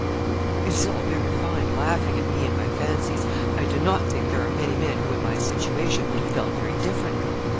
It is all very fine laughing at me and my fancies. I do not think there are many men who in my situation would have felt very differently.